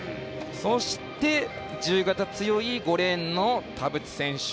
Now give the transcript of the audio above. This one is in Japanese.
そして、自由形強い５レーンの田渕選手。